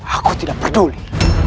aku tidak peduli